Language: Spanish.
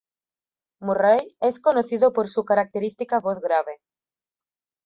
Murray es conocido por su característica voz grave.